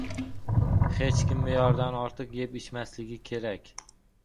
Hech kim me’yoridan ortiq yeb-ichmasligi kerak.